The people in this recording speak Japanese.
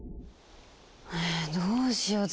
えどうしよう。